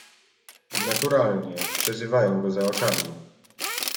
"Naturalnie, przezywają go za oczami..."